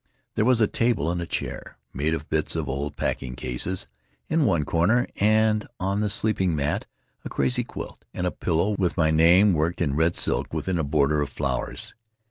There was a table and a chair, made of bits of old packing cases, in one corner; and on the sleeping mat a crazy quilt and a pillow with my name worked in red silk within a border of flowers.